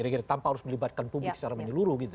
kira kira tanpa harus melibatkan publik secara menyeluruh gitu